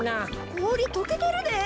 こおりとけてるで。